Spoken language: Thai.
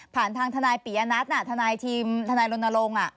ทางทนายปียะนัททนายทีมทนายรณรงค์